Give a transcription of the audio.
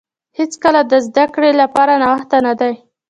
هیڅکله د زده کړې لپاره ناوخته نه دی.